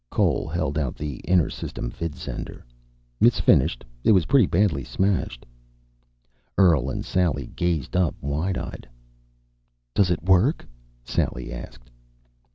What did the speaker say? Cole held out the inter system vidsender. "It's finished. It was pretty badly smashed." Earl and Sally gazed up, wide eyed. "Does it work?" Sally asked.